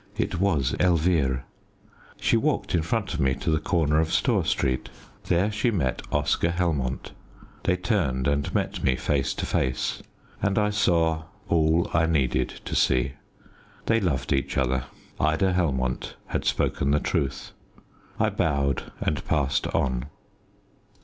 It was Elvire. She walked in front of me to the corner of Store Street. There she met Oscar Helmont. They turned and met me face to face, and I saw all I needed to see. They loved each other. Ida Helmont had spoken the truth. I bowed and passed on.